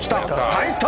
入った！